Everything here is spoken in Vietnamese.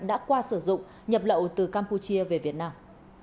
đã qua sử dụng nhập lậu từ campuchia về việt nam